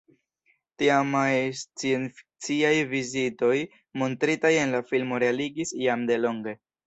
Tiamaj sciencfikciaj vizioj montritaj en la filmo realigis jam delonge.